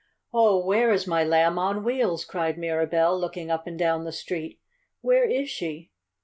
"Oh, where is my Lamb on Wheels?" cried Mirabell, looking up and down the street. "Where is she?"